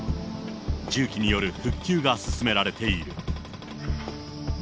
重機による復旧が進められている。